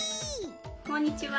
こんにちは。